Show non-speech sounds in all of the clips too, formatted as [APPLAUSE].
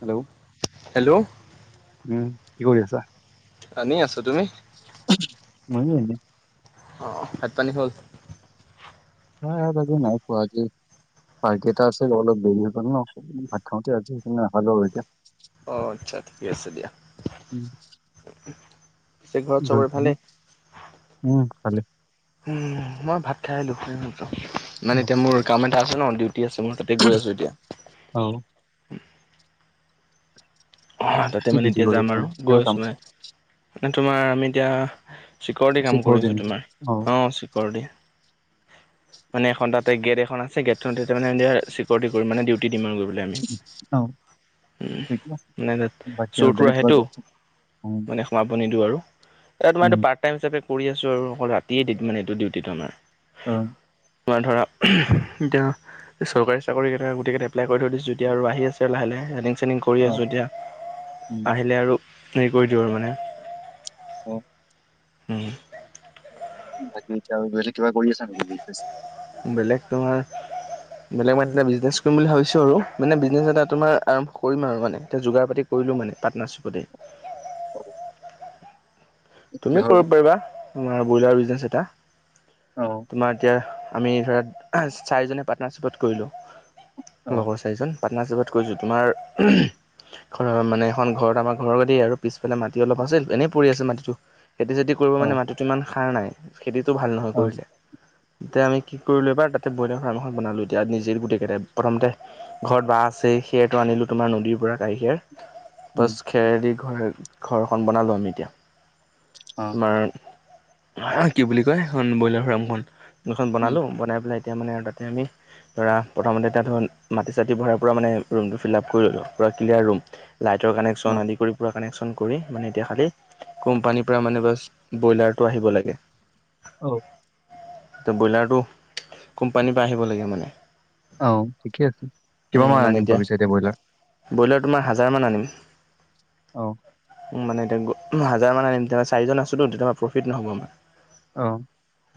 Hello, hello, um, কি কৰি আছা? এনেই আছো, তুমি? মইও এনেই। অ ভাত পানী খোৱা হ'ল। [UNINTELLIGIBLE] নাই পোৱা দেই। বাৰকেইটা আছে অলপ দেৰি হ'ল ন, ভাত খাওঁতে [UNINTELLIGIBLE] অঁ আচ্ছা ঠিকে আছে দিয়া। উম পিছে ঘৰত চবৰে ভালেই উম কালি। উ মই ভাত খাই [UNINTELLIGIBLE] মানে এতিয়া মোৰ কাম এটা আছে ন ডিউটি আছে মই তাতে গৈ আছো এতিয়া। অ। তাতে কি মানে ডিউটি এতিয়া কৰি যাম আছা আৰু মানে কিহৰ গৈ কাম? আছোঁ মানে। তোমাৰ আমি এতিয়া চিকৰটি আছে কাম কৰি ঘৰতে আছোঁ নেকি? তোমাৰ অ অঁ চিকৰটি। [INAUDIBLE] মানে এখন তাতে গেট এখন আছে গেটখনতে তাৰমানে চিকিউৰিটি কৰিম মানে ডিউটি দিম আৰু গৈ পেলাই আমি। অ ঠিকে আছে। বাকী আৰু চোৰ-টোৰ বেলেগ কিবা আহেটো জব চব উম মানে সোমাব নিদিওঁ আৰু এ তোমাৰ উম এইটো পাৰ্ট টাইম হিচাপে কৰি আছো আৰু অকল ৰাতিয়ে মানে এইটো ডিউটিটো আমাৰ। অ। ধৰা এতিয়া। চৰকাৰী চাকৰি কেইটা গোটকেইটা এপ্লাই কৰি থৈ দিছো এতিয়া আৰু আহি আছে লাহ লাহ ৰানিং চানিং কৰি অ আছো এতিয়া। উম আহিলে আৰু হেৰি কৰি দিওঁ আৰু মানে। অ। হম। বাকী এতিয়া আৰু বেলেগ কিবা কৰি আছা নেকি বিজনেছ। বেলেগ তোমাৰ, বেলেগ মানে এ বিজনেছ কৰিম বুলি ভাবিছো আৰু মানে বিজনেছ এটা তোমাৰ আৰম্ভ কৰিম আৰু মানে এতিয়া যোগাৰ পাতি। কৰিলো মানে পাটনাৰশ্বিপতে। [UNINTELLIGIBLE] তুমি কিহৰ বা? কৰিব পাৰিবা তোমাৰ বইলাৰ বিজনেছ এটা। অ, তোমাৰ এতিয়া আমি ধৰা চাৰিজনে পাৰ্টনাৰশ্বিপত কৰিলোঁ, অ লগৰ চাৰিজন। পাটনাৰচেপত কৈছোঁ তোমাৰ। ঘৰৰ মানে এখন ঘৰত আমাৰ ঘৰৰ দেই আৰু পিছফালে মাটি অলপ আছিল এনেই পৰি আছে মাটিটো। খেতি চেতি কৰিব অ মানে মাটিটো ইমান সাৰ নাই খেতিটো ভাল নহয় অ কৰিলে। এতিয়া আমি কি কৰিলো এবাৰ তাতে বইলাৰফম এখন বনালো এতিয়া নিজে গোটেই কেইটাই প্ৰথমতে। ঘৰত বাঁহ আছে সেয়ৰটো আনিলো তোমাৰ নদীৰ পৰা [UNINTELLIGIBLE] উম পাছ খেৰেদি ঘৰ ঘৰখন বনালোঁ আমি এতিয়া। অ তোমাৰ, কি বুলি কয় সেইখন বইলাৰ ফাৰ্মখন উম বনালোঁ বনাই পেলাই। তেতিয়া মানে তাতে আমি। ধৰা প্ৰথমতে তাত ধ মাটি চাটি ভৰাৰ পৰা মানে ৰুমটো ফিল আপ কৰি ল'লোঁ পূৰা ক্লিয়াৰ ৰুম। লাইটৰ অ কানেকশ্যন আদি কৰি পৰা কানেকশচন কৰি মানে এতিয়া খালি কোম্পানী। পৰা মানে বচ ব্ৰইলাৰটো আহিব লাগে। অ'। ত' ব্ৰইলাৰটো, কোম্পানীৰ পৰা আহিব লাগে মানে। অ', ঠিকে আছে, কিমান মান আনিম ভাবিছে এতিয়া ব্ৰইলাৰ। বইলাৰ তোমাৰ হাজাৰমান আনিম। অ, উ মানে এতিয়া হাজাৰ মান আনিম তেতিয় চাৰিজন আছোতো তেতিয় প্ৰফিট নহ'ব আমাৰ। অ,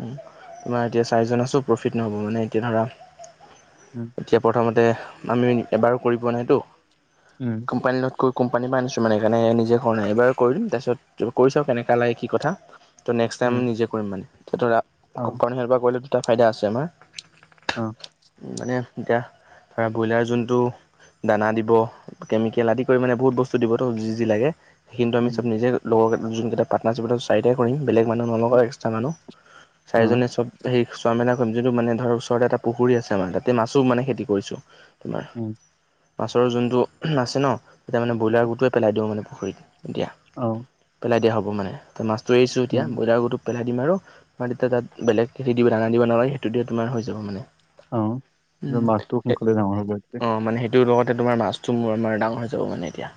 উম, তোমাৰ এতিয়া চাৰিজন আছোঁ প্ৰফিট নহ'ব মানে এতিয়া ধৰা উম। এতিয়া প্ৰথমতে আমি এবাৰো কৰি পোৱা নাইতো। উম। কোম্পানী লগত কোম্পানীৰ পৰা আনিছোঁ সেইকাৰণে নিজে হোৱা নাই এইবাৰ কৰি দিম তাৰপিছত কৰিছাম কেনেকোৱা লাগে কি কথা, ত' নেক্সট টাইম নিজে কৰিম মানে, [UNINTELLIGIBLE] পৰা কৰিলে এটা ফাইদা আছে আমাৰ। অ'। মানে এতিয়া ধৰা ব্ৰইলাৰ যোনটো দানা দিব, কেমিকেল আদি কৰি মানে বহুত বস্তু দিবতো যি- যি লাগে। সেইখিনিটো আমি চব নিজে লগৰ যোনকেইটা পাৰ্টনাৰশ্বিপত চাৰিটাই কৰিম, বেলেগ মানুহ নলগাও এক্সট্ৰা মানুহ, চাৰিজনে চব সেই চোৱা মেলা কৰিম যোনটো মানে ধৰ ওচৰতে এটা পুখুৰী আছে আমাৰ তাতে মাছো মানে খেতি কৰিছো তোমাৰ। উম। মাছৰ যোনটো আছে ন, তেতিয়া মানে ব্ৰইলাৰ গোটোৱে পেলাই দিওঁ মানে পুখুৰীত এতিয়া। অ'। পেলাই দিয়া হ'ব মানে, ত' মাছটো এৰিছো এতিয়া উম ব্ৰইলাৰ গতো পেলাই দিম আৰু তোমাৰ তেতিয়া তাত বেলেগ দানা দিব নাগে সেইটো দিয়ে তোমাৰ হৈ যাব মানে। অ', মাছতো সোনকালে ডাঙৰ [UNINTELLIGIBLE] এটোৰ লগতে তোমাৰ মাছটো মোৰ আমাৰ ডাঙৰ হৈ যাব মানে এতিয়া।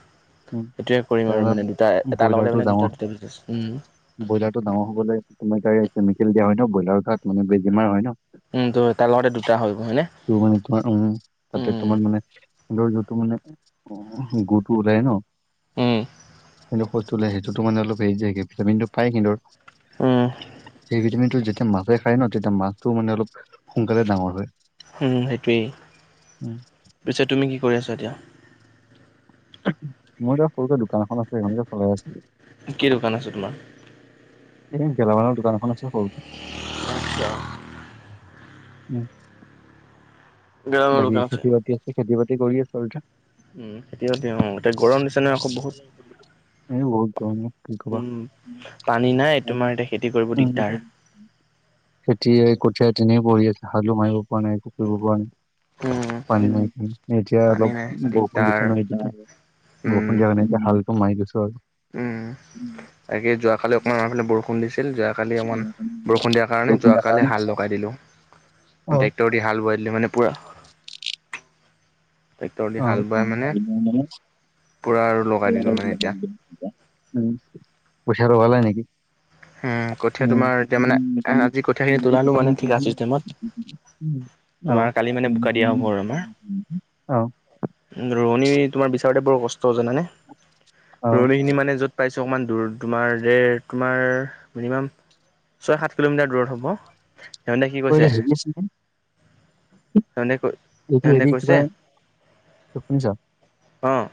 উম, সেইটোয়ে কৰিম আৰু তাৰপৰা মানে, দুটা এটাৰ লগতে ব্ৰইলাৰটো মানে ডাঙৰ দুটা- দুটা বিজনেচ, উম। ব্ৰইলাৰটো ডাঙৰ হ'বলে কেমিকেল দিয়া হয় ন ব্ৰইলাৰৰ তাত, মানে বেমাৰ হয় ন। উম ত তাৰ লগতে দুটা হৈ গ'ল হয়নে ত' মানে তোমাৰ উম, তাতে উম তোমাৰ মানে [UNINTELLIGIBLE] যিটো মানে অ গুটো ওলাই ন। উম কিন্তু [UNINTELLIGIBLE] সেইটোতো মানে অলপ হেৰিক যাইগে ভিটামিন টো পাই কিন্তু, উম সেই ভিটামিনটো যে যেতিয়া মাছে খায় ন, তেতিয়া মাছটো মানে অলপ সোনকালে ডাঙৰ হয়। উম, সেইটোৱেই, উম পিছে তুমি কি কৰি আছা এতিয়া। মই তোমাৰ সৰুকে দোকান এখন আছে, সেইখনকে চলাই আছিলো। কি দোকান আছে তোমাৰ। এই গেলামালৰ দোকানখন আছে সৰুকে। আচছা। উম। গেলামালৰ বাকী দোকান খেতি বাতি আছে, খেতি বাতি কৰি আছো আৰু এতিয়া। উম, খেতিবাতি অ', এতিয়া গৰম দিছে নহয় আকৌ এই বহুত বহুত। গৰম অ' কি ক'বা। উম, পানী নাই তোমাৰ এতিয়া খেতি কৰিব উম, দিগদাৰ। খেতি এই কঠিয়াত ইনেই পৰি আছে হালু মাৰিব পোৱা নাই, একো কৰিব পৰা নাই। উম পানী নাই, এতিয়া পানী অলপ নাই বৰষুণ দিগদাৰ দিছে ন এতিয়া উম সন্ধিয়া [UNINTELLIGIBLE] হালটো মাৰি দিছো আৰু। উম, তাকে যোৱাকালি অকণমান আমাৰফালে বৰষুণ দিছিল যোৱা কালি অকমান অ', বৰষুণ দিয়া কাৰণে অ'। যোৱা কালি হাল লগাই দিলোঁ ট্ৰেক্টৰত হাল বোৱাই দিলি মানে পোৰা। ট্ৰেক্টৰ দি হাল [UNINTELLIGIBLE] বোৱাই মানে উম, পুৰা আৰু লগাই দিলোঁ মানে এতিয়া কঠীয়া ৰুৱালে নেকি? উম কঠীয়া তোমাৰ [UNINTELLIGIBLE] এতিয়া মানে অ, আজি কঠীয়াখিনি তোলালো মানে উম ঠিকা চিষ্টেমত - উম তোমাৰ কালি মানে বোকা - দিয়া হ'ব আৰু আমাৰ উম অ, ৰোৱনী তোমাৰ বিচাৰোতে বৰ কষ্ট জানানে অ'। ৰোৱনী খিনি মানে য'ত পাইছোঁ অকণমান দূৰ তোমাৰ দেৰ তোমাৰ মিনিমাম ছয় সাত কিলোমিটাৰ দূৰত হ'ব। সিহঁতে কি কৈছে [UNINTELLIGIBLE] সিহঁতে কৈ [UNINTELLIGIBLE] সিহঁতে হেৰি কৈছে কিবা, শুনিছ। অ',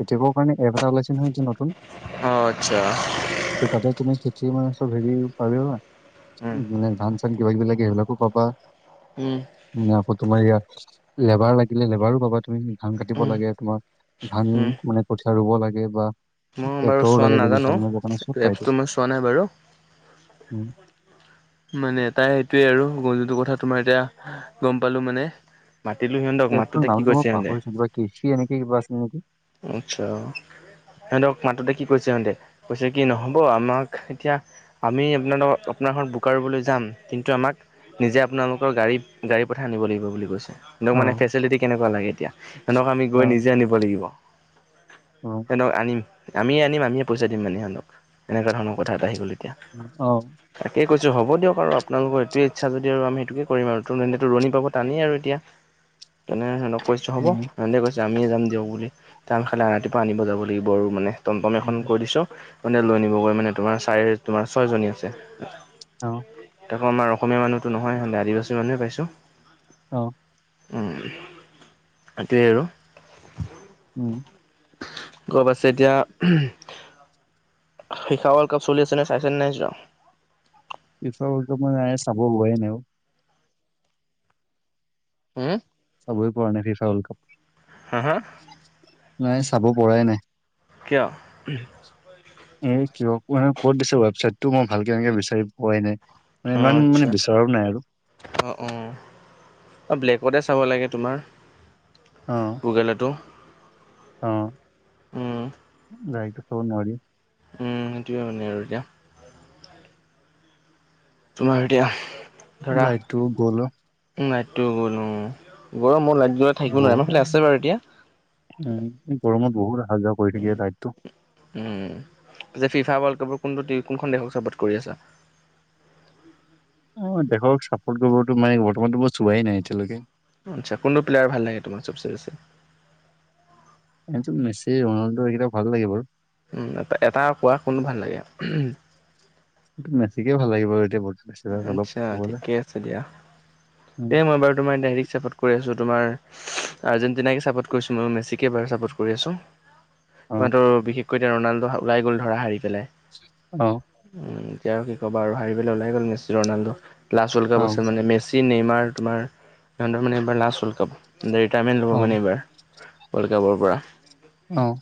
খেতিয়কৰ কাৰণে এপ এটা ওলাইছে নহয় নতুন। অ, আচ্ছা। তাতে তুমি খেতি মানে চব হেৰি পাৰিবা উম। ধান তাত কিবা কিবি লাগে সেই বিলাকো পাবা। উম, আকৌ তোমাৰ ইয়া লেবাৰ লাগিলে লেবাৰো পাবা তুমি ধান কাটিব লাগে উম তোমাৰ ধান মানে কঠীয়া ৰুব লাগে বা মই বাৰু ট্ৰেক্টৰো চোৱা লাগে যদি নাজানো ধানচাহাব কাৰণে চব এপছটো পাইতো মই চোৱা নাই বাৰু। উম, মানে তাই সেইটোয়ে আৰু গৰু যুটোৰ কথা তোমাৰ এতিয়া গম পালো মানে। মতিলো সিয়নি এপটো নামটো মই পাহৰিছো কৃষি এনেকে কিবা আছিলে নেকি? আচ্ছা। সিহঁতক মাততে কি কৈছে সিহঁতে কৈছে কি নহব আমাক এতিয়া আমি আনালগত আপোনাৰ খন বুক কাৰোবালৈ যাম কিন্তু আমাক নিজে আপোনালোকৰ গাড়ী - গাড়ী পঠাই আনিব লাগিব বুলি কৈছে। অ সেহতক মানে ফেচিলিটি কেনেকুৱা লাগে এতিয়া সিহঁতক আমি অ গৈ নিজে আনিব লাগিব। অ', সিহতক আনিম আমিয়ে আনিম আমিয়ে পইচা দিমহে সেহঁতক এনেকুৱা ধৰণৰ কথা এটা আহিল এতিয়া। অ', তাকে কৈছো হ'ব দিয়ক আৰু আপোনালোকৰ এইটোৱে ইচ্ছা যদি আৰু আমি সেইটোকে কৰিম আৰু ত এনেইটো ৰুয়নি পাব টানেই আৰু এতিয়া। তেনে হেনো কৈছো হ'ব উম সিহঁতে কৈছো আমিয়ে যাম দিয়ক বুলি টান খালে ৰাতিপুৱা আনিব যাব লাগিব আৰু মানে। টমটম এখন উম কৈ দিছো মানে লৈ নিবগৈ মানে তোমাৰ চাৰে তোমাৰ ছয়জনী আছে। অ', তাকো আমাৰ অসমীয়া মানুহ টো নহয় আদিবাসী মানুহে পাইছো। অ', উ, সেইটোৱে আৰু। উম, গম পাইছে এতিয়া ফিফা ৱল্ডাপ চলি আছে ন চাইছে নাইচোৱা? ফিফা ৱৰ্ল্ড কাপ মই নাই চাব পোৱাই নাই অ, হম? চাবই পৰা নাই ফিফা ৱৰ্লড হা হা কাপ নাই চাব পৰাই নাই। কিয়? এ কিয় ক'ত দিছে ৱেবচাইটতটো মই ভালকে এনেকে বিচাৰি পোৱাই নাই। মানে অ, ইমান মানে আচ্ছা বিচৰাও নাই আৰু অ', অ', অ', ব্লেকতে চাব লাগে তোমাৰ। অ', গুগলতো অ', উম দাইৰেক্ত চাব নোৱাৰি। উম, সেইটোৱে মানে আৰু এতিয়া। তোমাৰ এতিয়া লাইটটো গ'ল অ, নাইটো গ'লো গল মোৰ লাইট য ব উম, গৰমত বহুত অহা যোৱা কৰি থাকে লাইন টো। উম, যে ফিফা ৱৰ্ল্ড কাপৰ কোনটো কোনখন দেশক চাপৰ্ট কৰি আছা? অ, দেখক চাপৰ্ট কৰিবতো মানে বৰ্তমানতো মই চোৱাই নাই এতিয়ালৈকে। আচ্ছ কোনোটো প্লেয়াৰ ভাল লাগে তোমাৰ চব ছে বেছি? এইটো মেচি ৰোনাল্ডো এইকেইটা ভাল লাগে বাৰু। উম, এ এটা কোৱা কোনোটো ভাল লাগে? এইটো মেছিকে ভাল লাগিব বাৰু এতিয়া বুজি পাইছা অলপ আচ্ছা কবলে। এ মই বাও তোমাৰ দাৰেক্ট চাপ তোমাৰ আৰ্জেন্টিনাকে চাপৰ্ট কৰিছো মই মেছিকে বাৰু চাপৰ্ট কৰি আছো। অ তোমাৰ টো বিশেষকৈ এতিয়া ৰণালডো ওলাই গ'ল ধৰা হাৰি পেলাই। অ', উম, এতিয়া আৰু কি কবা আৰু হাৰি পেলাই ওলাই গ'ল Messi Ronaldo last world cup অ আছিল মানে মেচি নিৰ্মা তোমাৰ - তোমাৰ লাষ্ট ৱৰ্ল্ড কাপ ঋতাইমেন্ত অ লব মানে এইবাৰ। ৱৰ্ল্ড কাপৰ পৰা। অ',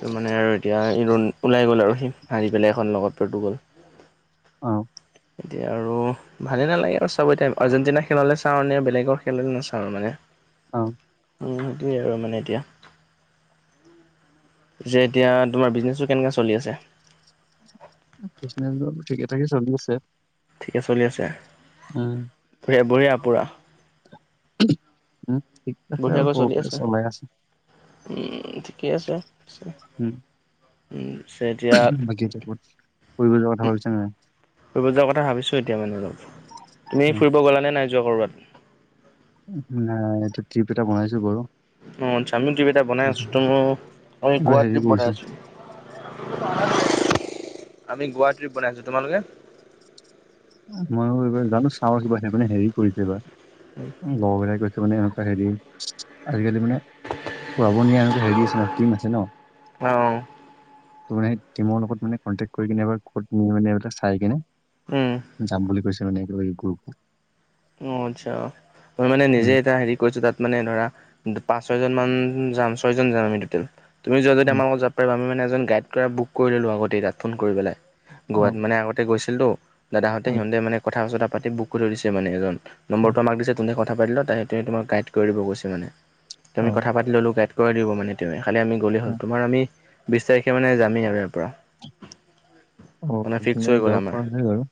ত মানে আৰু এতিয়া ওলাই গ'ল আৰু সি হাৰি পেলাই এখন লগত পৰ্তুগল। অ', এতিয়া আৰু ভালেই নালাগে আৰু চবেই টাইম আৰ্জেণ্টিনাই খেল হলে চাও এনেই বেলেগৰ খেল হলে নাচাও মানে। অ', উম, সেইটোৱে আৰু মানে এতিয়া। যে এতিয়া তোমাৰ বিজনেছটো কেনেকুৱা চলি আছে? বিজনেবোৰ ঠিকে ঠাকে চলি আছে। ঠিকে চলি আছে? উম, বঢ়িয়া পোৰা। উম, ঠিক আছে আৰু বঢ়িয়াকৈ চলি পৰসিলে আছে? সময় আছো। উম, ঠিকে আছে। উম, উম, চ বাকী এতিয়া কত ফুৰিব যোৱাৰ কথা ভাবিছা নে নাই। ফুৰিব যোৱাৰ কথা ভাবিছো এতিয়া মানে তুমি উম, ফুৰিব গ'লানে নাই যোৱা ক'ৰবাত। নাই এইটো ট্ৰিপ এটা বনাইছো বাৰু। অ, জামিন ট্ৰিপ এটা বনাই আছো গোৱা ট্ৰিপ বনাই আছো। উম, [UNINTELLIGIBLE] আমি গোৱা টিপ বনাইছো তোলোকে? মইো এইবাৰ জানো চাও কা সেইকাৰানে হেৰি কৰিছে এইবাৰ। হয়। লগৰবিলাকে কৈছে। মানে এনেকুৱা হেৰি আজিকালি মানে পৰাব নিয়া এনেকে হেৰি আছে ন টিম আছে ন। অ' তোৰ মানেই টিমৰ লগত মানে কণ্টেক কৰি কিনে এবাৰ ক'ত নি মানে এইবিলাক চাই কিনে উম, যাম বুলি কৈছে মানে গুৰুোপটো। অ, আচ্ছা মই মানে নিজে উম, এটা হেৰি কৰিছো তাত মানে ধৰা পাঁচ ছয় জন মান যাম ছয় জন যাম আমি টেল তুমি যোৱা যদি উম, আমাৰ লগত যাম। ত আমি মানে এ গড কৰা বুক কৰি ললো আগতে তাত ফোন কৰি পেলাই গোৱাত অ', মানে আগতে গৈছিলতো। দাদাহতে উম, সিহঁতে মানে কথা পাতি বুক কৰি দিছে মানে এ নম্বৰটো উম, আমাক দিছে ততে কথা পাতি লও তাই সেইটো তোক গাইড দিব কৈছে মানে তুমি অ', কথা পাতি ল'লো গাইড কৰি দিব মানে। খালি আমি গ'লে হ'ল। অ', তোমাৰ আমি বিশ তাৰিখে মানে যামেই আৰু ইয়াৰ পৰা। অ', মানে ফিক্স তেনে হৈ গ'ল যাব আমাৰ পৰা নাই বাৰু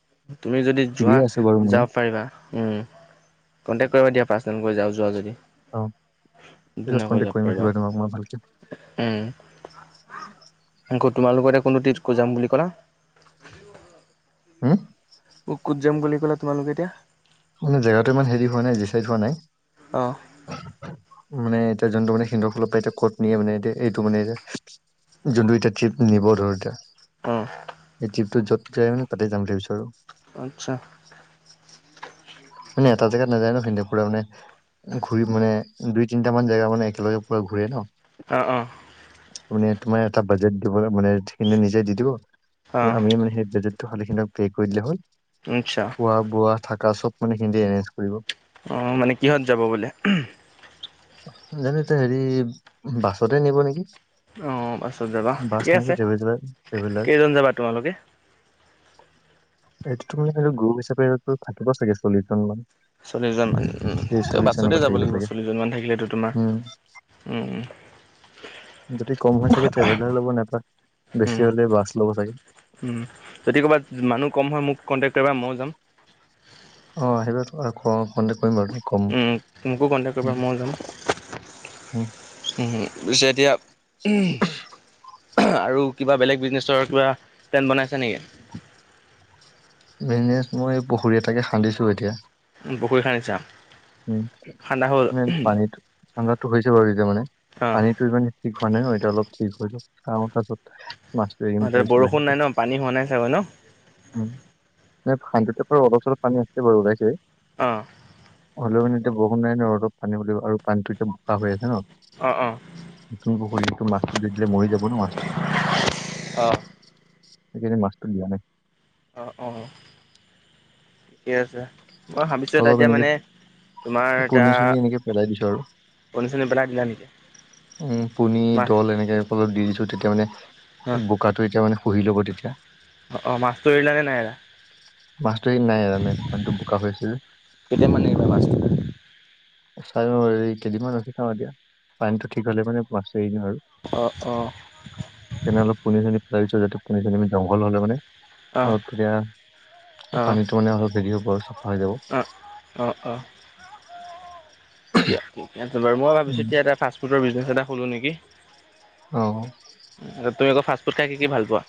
তুমি যদি যোৱা ফ্ৰীয়ে আছো বাৰু ময়ো। যাব পাৰিবা। কণ্টেক্ট কৰিবা দিয়া পাৰ্চনেল গৈ যাওঁ যোৱা যদি- অ' পিছত ধুনীয়াকৈ যাব কণ্টেক্ট কৰিম পাৰিবা আহিবা তোমাক মই ভালকৈ। উম আকৌ তোমালোক এ কোনটো টিটক যাম বুলি ক'লা। হম? অ, ক'ত যাম বুলি ক'লে তোমালোকে এতিয়া মানে জেগাতটো ইমান হেৰি হোৱা নাই জি চাইড হোৱা নাই। অ', মানে এতিয়া যোনটো মানে সিন্দুৰ ফালৰ পৰা এতিয়া কত নিয়ে মানে এতিয়া এইটো মানে এতিয়া। যোনটো এতিয়া ট্ৰিপ নিব ধৰ এতিয়া, অঁ এই ট্ৰিপটো যত যাই মানে তাতে যাম বুলি ভাবিছো। আচ্ছা। মানে এটা জেগাত নাযায় ন সিহঁতে পুৰা মানে ঘূৰি মানে দুই তিনিটা মান জেগা মানে একেলগে পুৰা ঘূৰে ন, অ -অ, মানে তোমাৰ এটা বাজেট দিব মানে সেই নিজে দি দিব। তোৰ অঁ আমি মানে সেই বেজেটটো শালীখিন পে' কৰি দিলে হ'ল। তোৰ ইচ্ছা। খোৱা বোৱা থাকা চব সিহঁতি এৰেঞ্জ কৰিব। অ' মানে কিহত যাব বোলে। জানো এতিয়া হেৰি বাছতে নিব নেকি? অঁ বাছত যাবা বাছ ঠিকে আছে নাইবা ট্ৰেভেলাৰ ট্ৰেভেলাৰ - কেইজন যাবা তোমালোকে এইটো তোমালোকে মানে গ্ৰুপ হিচাপে থাকিব এইটো থাকিব চাগে চল্লিশ জন মান। চল্লিশজন মানে উম ত্ৰিশ তেওঁ চল্লিশ বাছতে এনেকুৱা যাব থাকিব লাগিব চাগে চল্লশজন মান। থাকিলে তোমাৰ- উম যদি কম হয় চাগে ট্ৰেভেলাৰ ল'ব নাইবা উম, বেছি হ'লে বাছ ল'ব চাগে। যদি ক'ৰবাত মানুহ কম হয়। মোক কণ্টেক্ট কৰিবা ময়ো যাম। অহ আহিবা কণ্টেকট কৰিম বাৰু তোক। উম মোকো কণ্টেক্ট কৰিবা মই যাম। উহু, উহু পিছে এতিয়া উম আৰু কিবা বেলেগ বিজনেছৰ কিবা প্লেন বনাইছে নেকি? বিজনেছ মই পুখুৰী এটাকে খান্দিছোঁ এতিয়া। পুখুৰী খান্দিছা- উম খান্দা হ'ল মানে পানীত ঠাণ্ডাতটো হৈছে। বাৰু এতিয়া মানে অঁ পানীতটো ইমানে ঠিক হোৱা নাই নয় এতিয়া অলপ ঠিক হৈ য কামত ম- অ' বৰষুণ নাই ন পানী হোৱা নাই চাগৈ ন। উ ভান্ততে পৰা অলপ চলপ পানী আছে। বাৰু ওলাইছে- অ' হ'লেও মানে এতিয়া বৰষুণ নাই ন অলপ পানী লাগিব আৰু পানী টো এতিয়া বোকা হৈ আছে ন ' অ' অ' তুমি মাছটো দি দিলে মৰি যাব ন মাছটো। অ'হ। এইকেইদিন মাছটো দিয়া নাই। অ'হ, অ'হ ঠিকে আছে মই ভাবিছো এটা অলপ এতিয়া এনেকে মানে। তোমাৰ এতিয়া পণী চণী এনেকে পেলাই দিছো আৰু কনি চনী পেলাই দিলা নেকি। উম পুনী মাছ দল এনেকে অলপ দি দিছো তেতিয়া মানে। অঁ বুকাটো এতিয়া মানে সুহি লব তেতিয়া। অ' মাছটো এৰিলানে নাই এৰা মাছটো এইগিদিন নাই পানীতো বোকা হৈ আছে যে। কেতিয়া মানে এৰিবা মাছতো। চাই লও এই কেইদিনমান ৰখি থওঁ এতিয়া পানীটো ঠিক হলে মানে মাছ এৰি দিম আৰু। অহ, অহ। তেনেহলে পুনি চুনি পেলাই দিছো যাতে পুনি চুনি জংঘল হলে মানে অঁ অলপ তেতিয়া অঁ পানীতো মানে অলপ হেৰি হ'ব আৰু চাফা হৈ যাব। অ'হ, অ'হ বাৰু মই ভাবিছো উম তেতিয়া এটা ফাষ্ট ফুডৰ বিজনেছ এটা খুলো নেকি। অ' তুমি আকৌ ফাষ্টফুড খাই কি কি ভাল পোৱা।